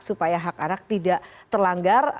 supaya hak anak tidak terlanggar